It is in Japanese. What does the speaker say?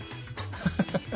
ハハハハッ。